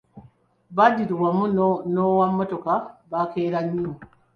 Badru wamu n'owa mmotoka baakera nnyo.